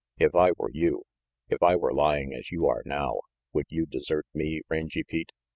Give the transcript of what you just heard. "If I were you if I were lying as you are now, would you desert me, Rangy Pete?"